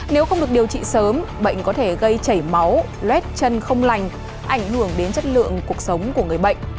nếu không được điều trị sớm bệnh có thể gây chảy máu lét chân không lành ảnh hưởng đến chất lượng cuộc sống của người bệnh